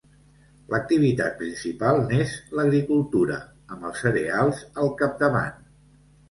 L'activitat principal n'és l'agricultura, amb els cereals al capdavant.